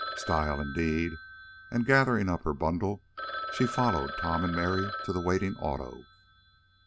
Style indade!" and, gathering up her bundle she followed Tom and Mary to the waiting auto.